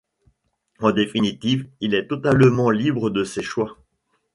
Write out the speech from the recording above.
En définitive, il est totalement libre de ses choix.